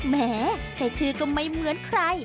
แม้แค่ชื่อก็ไม่เหมือนใคร